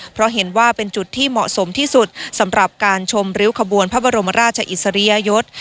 เพราะเห็นว่าเป็นจุดที่เหมาะสมที่สุดสำหรับการชมริ้วขบวนพระบรมราชอิสริยยศ